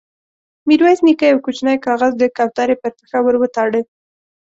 ميرويس نيکه يو کوچينۍ کاغذ د کوترې پر پښه ور وتاړه.